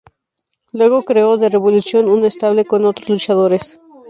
Luego creó The Revolution, un stable con otros luchadores.